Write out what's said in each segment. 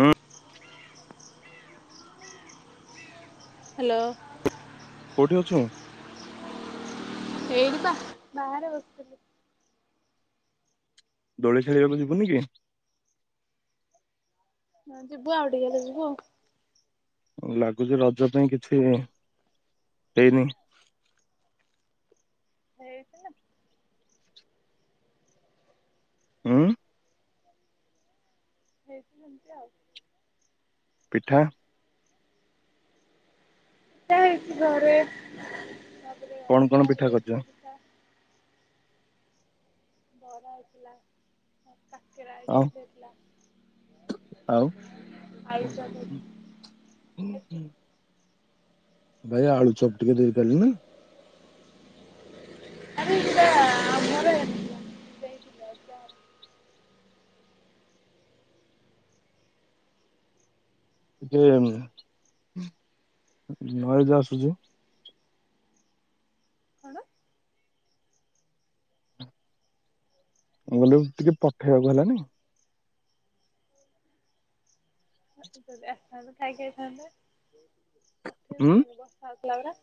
ହଁ ହ୍ୟାଲୋ କୋଉଠି ଅଛୁ ଏଇଟିବା ବାରେ ବ ଦୋଳି ଖେଳିବାକୁ ଯିବୁନି କି ହଁ ଯିବୁ ଆଉ ଟିକେ ଗଲେ ଯିବୁ ଆଉ ଲାଗୁଛି ରଜ ପାଇଁ କିଛି ହେଇନି ହେଇଛି ନା ହୁଁ ହେତି ଆଉ- ପିଠା ହେ ଘରେ କଣ ଅଜା କଣ ଘରେ ପିଠା କରୁଛ? [inaudible] ବରା ଆଇଥିଲା ମ କାକରା ଆଉ ଆଇଥିଲେଥିଲା ଆୟଷ ହୁଁ ହୁଁ ଭାଇ ଆଳୁ ଚପ୍ ଟିକେ ଦେଇ ପାରିଲି ନା ଆରେଯିବା ଆମର ଦେଇଥିଲେ ଅଜା [inaudible] ଟିକେ ନଇ ଯ ଆସୁଛି ହେଣ ଗଲେ ଟିକେ ପଠେଇବାକୁ ହେଲାନି ଯଦି ଆସିଥାନ୍ତେ ଖାଇ ଖାଇଥାନ୍ତେ ପଠେଇ ଉଁ କେ ବର୍ଷା ହେଲା ପରା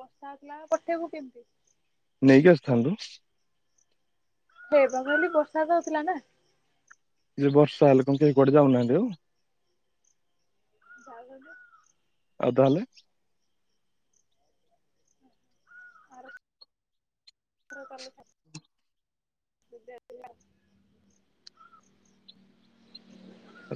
ବର୍ଷା ହେଥିଲା ପଠେଇବୁ କେମ୍ତି ନେଇଜ ସ୍ତାନ୍ ରୁ ହେବ କାଲି ବର୍ଷା ହଉଥିଲା ନା କି ବର୍ଷ ହେଲେ କେହି କୁଆଡ଼େ ଯାଉହାନ୍ତି ଆଉ ଯହାୁ [unintelligible] ଆଉ ତାହେଲେ [inaudible]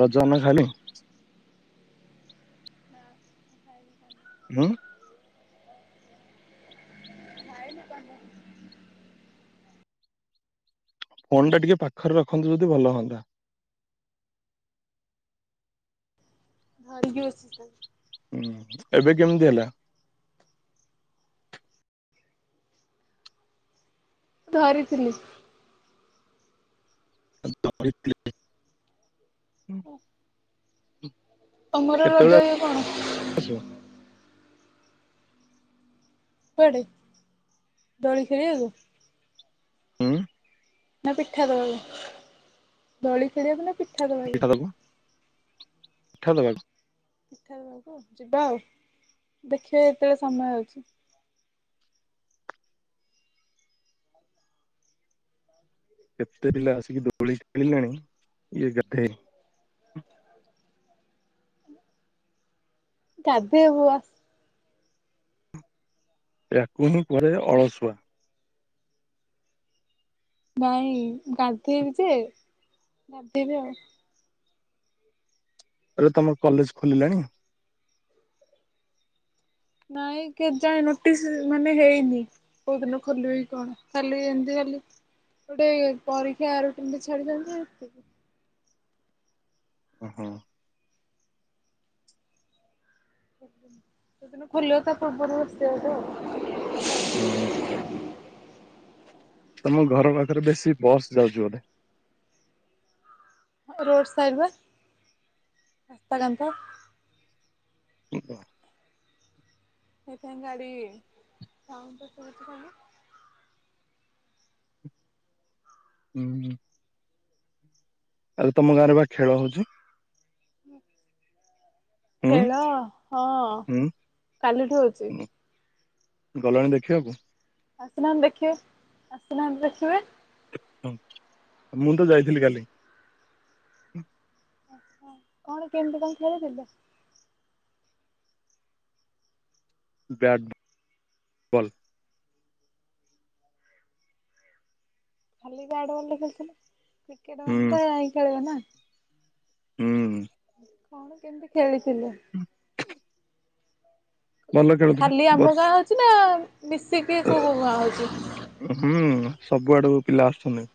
ରଜ ଅନା ଖାଲି [inaudible] ହୁଁ [inaudible] ଫୋନ୍ ଟା ଟିକେ ପାଖରେ ରଖନ୍ତୁ ଯଦି ଭଲ ହନ୍ତା ଧରିକି ବସିଚି ହୁଁ ଏବେ କେମିତି ହେଲା। ଧରିଥିଲି। [inaudible] ତମର କେତେବେଳେ ରଜ ଇଏ କଣ? ଆସିବୁ? କୁଆଡ଼େ ଦୁଳି ଖେଳିିବାକୁୁ ହୁଁ ନା ପିଠା ଦବାକୁ ଦଳି ଖେଳିବାକୁ ନା ପିଠା ଦ ପିଠା ଦେବା କୁ ମିଠା ଦେବାକୁ ଆ ଯିବା ଆଉ ଦେଖିବା ଏତେବେଳେ ସମୟ ହେଉଛି। କେତେ ପିଲା ଆସିକି ଦୋଳି ଖେଳିଲାଣି ଇଏ ଗଧେଇନି ଗାଧେଇବୁ ବା ୟାକୁ ହିଁ କହେ ଅଳସୁଆ। ନାଇଁ ଗାଧେଇବି ଯେ ଗାଧେଇବି ଆଉ। ଏରେ ତମ କଲେଜ ଖୋଲିଲାଣି? ନାଇଁ କେ ଜାଣି ନୋଟିସ ମାନେ ହେଇନି। କଉ ଦିନ ଖୋଲିବ କି କଣ ଖାଲି ଏମିତି ଖାଲି ଗୋଟେ ପରୀକ୍ଷା ରୁଟିନ୍ ଟେ ଛାଦିଛନ୍ତି ଏ ଓହୋ। ଯଉଁଦିନ ଖୁଲିବ ତା ପୂର୍ବରୁ ଶେ ହବ ଆଉ ହଁ ତମ ଘର ପାଖରେ ବେଶୀ ବସ୍ ଯାଉଚି ବୋଧେ। ରୋଡ ସାଇଡ଼୍ ବା ରାସ୍ତା କାନ୍ଥ। [inaudible] ସେଇଥି ପାଇଁ ଗାଡ଼ି ସାଉଣ୍ଡ ଶୁଭୁଚି ନା ହୁଁ, ହୁଁ। ଆଉ ତମ ଗାଁ ରେ ବା ଖେଳ ହଉଚି। ହୁଁ ଖେଳ ହଁ ହୁଁ କାଲି ଠୁ ହଉଚି। ହୁଁ। ଗଲଣି ଦେଖିବାକୁ? ଆସନାହାନ୍ତି ଦେଖିବ୍ ଆସନାହାନ୍ତି ଦେଖିବେ। ହ ମୁଁ ତ ଯାଇଥିଲି କାଲି। ଆଛା କଣ କେମିତି କଣ ଖେଳି ଥିଲେ? Bat ball. ଖାଲି ବ୍ୟାଟ ବଲରେ ଖେଳି ଥିଲେ, କ୍ରିକେଟ ହୁଁ ମାନେ ତ ଏଇ ଖେଳିବେ ନା। ହୁଁ। କଣ କେମିତି ଖେଳିଥିଲେ? ଭଲ ଖେଳୁଥିଲେ ଖାଲି ଆମ ବର୍ଷ ଗାଁ ହଉଚି ନା ମିଶିକି କୋଉ କୋଉ ଗାଆଁ ହଉଚି? ହୁଁ ସବୁଆଡୁ ପିଲା ଆସୁଛନ୍ତି।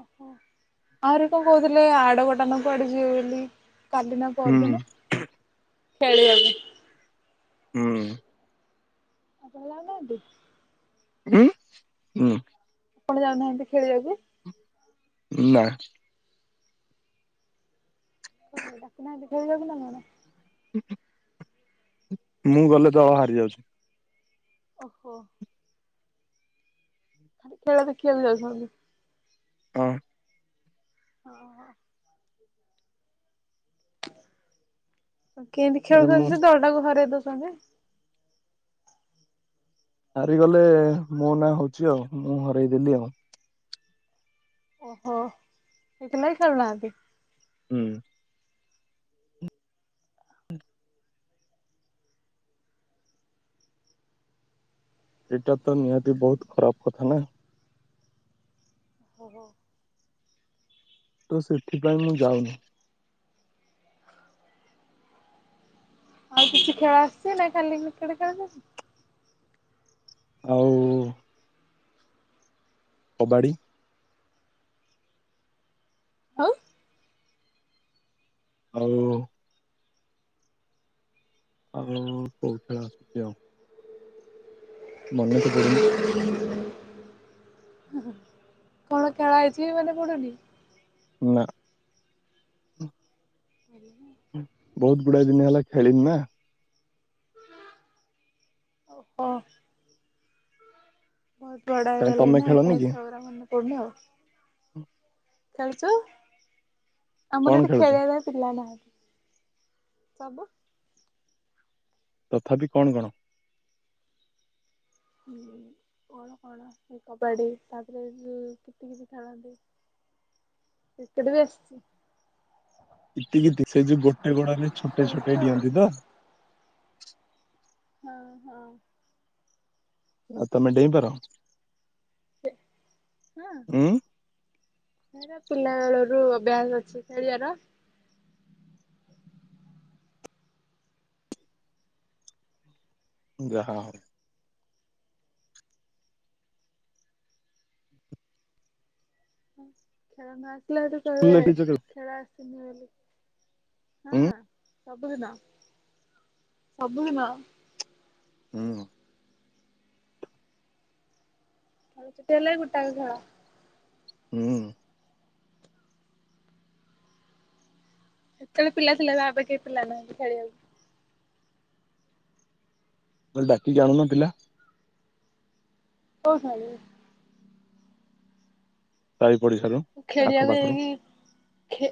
ଓହୋଃ, ଆହୁରି କଣ କହୁଥିଲେ ଆଡକଟା ନା କୁଆଡେ ଯିବେ ବୋଲି। କାଲି ନା ହୁଁ ପଅରଦିନ ଖେଳିବାକୁ। ହୁଁ। ଆପଣ‌ ଯାଉନାହାନ୍ତି? ହୁଁ, ହୁଁ। ଆପଣ ଯାଉନାହାନ୍ତି ଖେଳିବାକୁ? ନା। କଣ ପାଇଁ, ଡାକୁ ନାହାନ୍ତି ଖେଳିବାକୁ ନା କଣ? ହୁଁ-ହୁଁ-ହୁଁ-ହୁଁ ମୁଁ ଗଲେ ତ ହାରି ଯାଉଛି। ଓହୋଃ। ଖାଲି ଖେଳ ଦେଖିବାକୁ ଯାଉଛନ୍ତି? ହଁ। ଓହୋଃ। [inaudible] କେମିତି ଆରେ ମୁଁ ଖେଳୁଛନ୍ତି ଯେ ଦଳଟାକୁ ହରେଇ ଦେଉଛନ୍ତି? ହାରିଗଲେ ମୋ ନାଁ ହଉଛି ଆଉ, ମୁଁ ହରେଇଦେଲି ଆଉ। ଓହୋଃ, ସେଥିଲାଗି ଖେଳୁ ନାହାନ୍ତି। ହୁଁ। ହୁଁ। ଏଇଟା ତ ନିହାତି ବହୁତ୍ ଖରାପ କଥା ନା। ଓହୋଃ। ତ ସେଥିପାଇଁ ମୁଁ ଯାଉନି। ଆଉ କିଛି ଖେଳ ଆସିଛି ନା ଖାଲି କ୍ରିକେଟ ଖେଳୁଛନ୍ତି? ଆଉ କବାଡ଼ି। ଆଉ ଆଉ ଆଉ-ଉ-ଉ-ଉ ବହୁତ ଖେଳି ଆସୁଛି ଆଉ। ମନେ ତ‌ ପଡୁନି। କଣ ଖେଳ ଆଇଚି ମନେ ପଡୁନି? ନା। [inaudible] ହୁଁ, ବହୁତ ଗୁଡାଋ ଦିନ ହେଲା ଖେଳିନି ନା। ଓହୋ ବହୁତ ବଡ କାଇଁ ହେଇଗଲେଣି ତମେ ନା, ହେଥିପାଇଁ ଖେଳଗୁରା ମନେ ପଡୁନି ଆଉ। ହୁଁ। ଖେଳୁଛୁ? କଣ ଆମର ଏଠି ଖେଳୁଛ ଖେଳିବା ପାଇଁ ପିଲା ନାହାନ୍ତି, ସବୁ ତଥାପି କଣ କଣ? ହୁଁ କଣ କଣ, ସେଇ କବାଡି ତାପରେ ଯୋଉ କିତିକିତି ଖେଳନ୍ତି। କ୍ରିକେଟ ବି ଆସିଛି। କିତିକିତି ସେ ଯୋଉ ଗୋଟେ ଗୋଡରେ ଛୋଟେଇ ଖେଳୁଛୁ ଛୋଟେଇ ଆଉ। ଡିଅନ୍ତି ତ? ହଁ ହଁ। ଆଉ ତମେ ଡେଇଁପାର। ସେ ହଁ ଉଁ ସେଇଟା ପିଲା ବେଳ ରୁ ଅଭ୍ୟାସ ଅଛି ଖେଳିବାର। ଯାହା ହେଉ ଉଁ ଖେଳନା ଆସିଲା ବେଳକୁ ସ୍କୁଲରେ କହିବେ ଖେଳିଛ କେବେ ଖେଳ ଆସିନି ବୋଲି ଉଁ ହଁ ସବୁଦିନ ସବୁଦିନ ହୁଁ ହେଲେ ଗେଟାଏ ଭଳା। ହୁଁ କେତେବେଳେ ପିଲା ପିଲା ବାବେ କେହେ ପିଲା ନାହାନ୍ତି ଖେଳିବାକୁ। ଡାକିକି କି ଆଣୁଣ ପିଲା। କଣ ଖାଇବେ ସାଇ ପଡିଶାରୁୁ। ଖେଳିବାକୁ ଯାଇକି ଖେ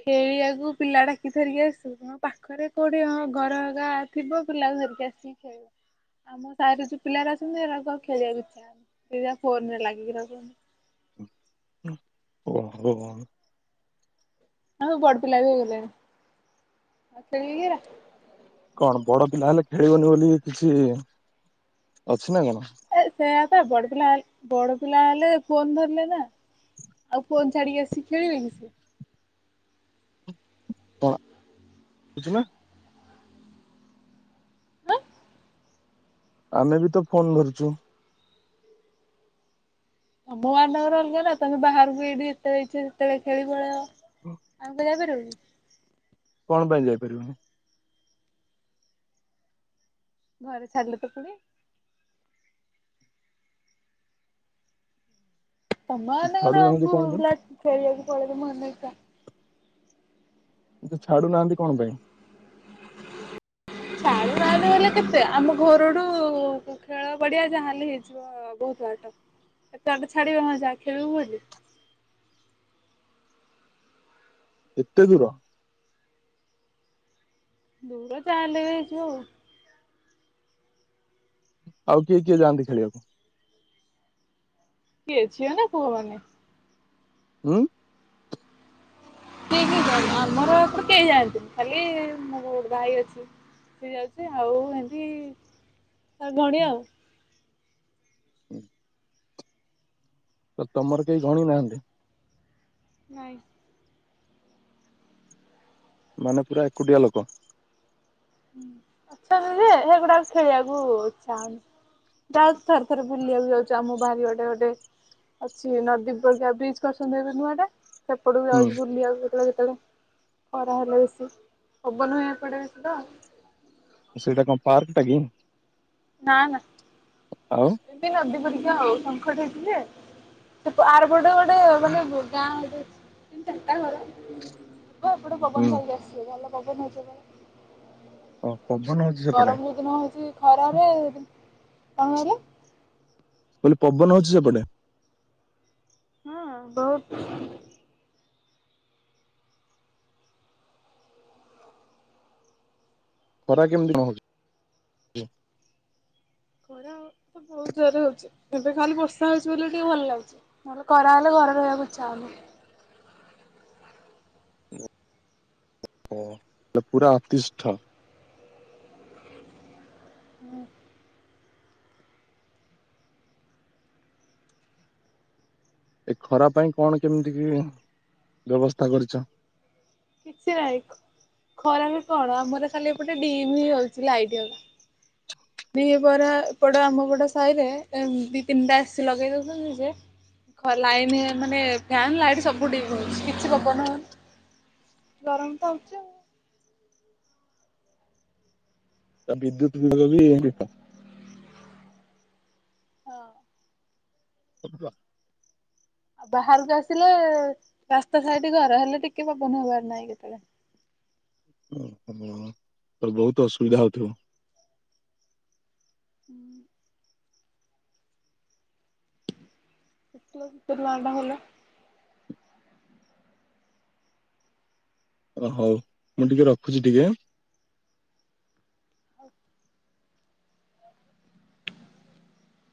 ଖେଳିବାକୁ ପିଲା ଡାକି ଧରିକି ଆସିବିନା ହଁ ପାଖରେ କୋଉଁଠି ହଁ ଘର ଗାଆ ଥିବ ପିଲାକୁ ଧରିକି ଆସିବି ଖେଳିବି ଆମ ସାରରେ ଯୋଉ ପିଲାର ଅସଛନ୍ତି ଏ ଖଳିବାକୁଇ୍ଛା ହେଉନି ସେଇଟା ଫୋନ ରେ ଲାଗିକି ରହିଛନ୍ତି। ଓ ହୋ ଆ ବଡ ପିଲା ବି ହେଇଗଲେଣି ଆଉ ଖେଳିବରା କଣ ବଡ ପିଲା ହେଲେ ଖେଳିବନି ବୋଲି କିଛି ଅଛି ନା ନାଇଁ ଏ ସେଆ ପା ବଡ ପିଲା ବଡ ପିଲା ହେଲେ ଫୋନ୍ ଧରିଲେ ନା। ଆଉ ଫୋନ୍ ଛାଡିକି ଆସି ଖେଳିବେକି ସେ? କଣା କିଛିନା। ଆଁ। ଆମେ ବି ତ ଫୋନ ଧରୁଛୁ। ତମ ମାନଙ୍କର ଅଲଗା ନା ତମେ ବାହାରକୁ ଏଇଠି ଯେତେବେଳେ ଇଚ୍ଛା ସେତେବେଳେ ଖେଳି ପଳେଇବ। ଆମେ କଣ ଯାଇପାରିବୁନି? କଣ ପାଇଁ ଯାଇପାରିବନି? ଘରେ ଛାଡିଲେତ ଫୁଣି। ତମ ମାନଙ୍କର ଛାଡୁନାହାନ୍ତି ପୁଅ କଣ ପିଲା ଖେଳିବାକୁ ପଳେଇବେ ମନ ଇଚ୍ଛା। ସିଏ ତ ଛାଡୁନାହାନ୍ତି କଣ ପାଇଁ? [inaudible] ଛାଡୁ ନାହାନ୍ତି ହେଲେ କେତେ ଆମ ଘରଠୁ ଖେଳ ପଡିଆ ଯାହା ହେଲେ ହେଇଯିବ। ହଁ ବହୁତ ବାଟ ଏଟେ ବାଟ ଛାଡିବେ ମ ଯାହା ଖେଳିବୁ ବୋଲି। ଏତେ ଦୂର? ଦୂର ଯାହା ହେଲେବି ହେଇଯିବ ଆଉ। ଆଉ କିଏ କିଏ ଯାଆନ୍ତି ଖେଳିବାକୁ? କିଏ ଝିଅ ନା ପୁଅ ମାନେ ଉଁ କିଏ କିଏ ଯାନ୍ତି ଆମର ଏପଟେ କେହି ଯାଆନ୍ତିନି ଖାଲି ମୋର ଗୋଟେ ଭାଇ ଅଛି। ସିଏ ଯାଉଚି ଆଉ ଏମତି ଭଉଣୀ ଆଉ। [inaudible] ତ ତମର କେହି ଗଣି ନାହାନ୍ତି? ନାଇଁ ମାନେ ପୁରା ଏକୁଟିଆ ଲୋକ। ଅଛନ୍ତି ଯେ ସେଗୁଡାକ ଖେଳିବାକୁ ଇଛା ହୋଉନି। ଯାହା ଥରେ ଥରେ ବୁଲିବାକୁ ଯାଉଚୁ ଆମ ବାରି ବାଟେ ଗୋଟେ ଅଛି ନଦୀ ପରିକା ବ୍ରିଜ କରଛନ୍ତି ଏବେ ନୂଆ ଟା ସେପଟକୁ ବି ହୁଁ ଯାଉଛି ବୁଲିବାକୁ କେତଳେ କେତଳେ। ଖରା ହେଲେ ବେଶୀ ପବନ ହୁଏ ଏପଟେ ବେଶି ତ। ସେଇଟା କଣ ପାର୍କଟା କି? ନାଁ ନାଁ। ଆଉ। ଏଟି ନଦୀ ପରିକା ଆଉ ସଙ୍ଖଟେ ହେଇଥିଲେ ଆରପଟ ଗୋଟ ଗହେ ମାନେ ବ ଗାଁ ହେଠି ତିନ ଚାରଟା ଘର। ଯିବ ହେପଟୁ ପବନ ହୁଁ ଖାଇକି ଆସିବେ ଭଲ ପବନ ହଉଚି ହଁ ପରା। ପବନ ହଉଛି ସେପଟେ ଗରମ ହେଦିନ ହେଇଛି ଖରାରେ କଣ କହିଲେ? ସେ ପବନ ହଉଚି ସେପଟେ? ହଁ ବହୁତ୍। ଖରା କେମିତି କଣ ହଉଚି? ଖରା ତ ବହୁତ ଜୋରରେ ହଉଛି ଏବେ ଖାଲି ବର୍ଷା ହଉଛି ବୋଲି ଟିକେ ଭଲ ଲାଗୁଚି। ନହେଲେ ଖରା ହେଲେ ଘରେ ରହିବାକୁ ଇଚ୍ଛା ହଉନି। ଓ ସେ ପୁରା ଅତିଷ୍ଠ। ହୁଁ। ଏ ଖରା ପାଇଁ କଣ କେମିତି କି ବ୍ୟବସ୍ଥା କରିଚ? କିଛି ନାଇଁ ଖରା ବି କଣ ଆମର ଖାଲି ଏପଟେ ଡିମ୍ ହଉଛି ଲାଇଟ୍ ହେଲା। ଦି ବରା ଏପଟ ଆମପଟ ସାହିରେ ଦି ତିନିଟା ଏସି ଲଗେଇ ଦଉଛନ୍ତି ଯେ ଖ ଲାଇନ ମାନେ ଫ୍ୟାନ୍ ଲାଇଟ୍ ସବୁ ଡିମ୍ ହଉଚି କିଛି ପବନ ହଉନି ଗରମ ତ ହଉଛି ଆଉ। [inaudible] ହଁ। କ ଆଉ ବାହାରକୁ ଆସିଲେ ରାସ୍ତା ସାଇଟ ଘର ହେଲେ ଟିକେ ପବନ ହବାର ନାହିଁ କେତେଳେ। ଓ ହ ତ ବହୁତ ଅସୁବିଧା ହଉଥିବ? ହୁଁ। ପ୍ଲାଣ୍ଟ ହେଲା। [inaudible] ଓ ହଉ ମୁଁ ଟିକେ ରଖୁଛି ଟିକେ? ଆଉ।